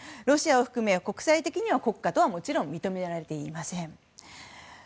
ロシアを含め国際的には国家とはもちろん認められていません。